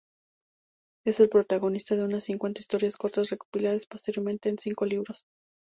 Es el protagonista de unas cincuenta historias cortas recopiladas posteriormente en cinco libros.